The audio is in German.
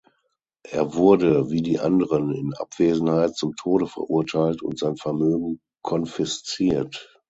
Er wurde wie die anderen in Abwesenheit zum Tode verurteilt und sein Vermögen konfisziert.